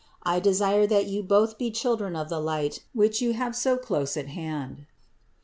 I desire that you both be children of the Light, which you have so close at hand." 682.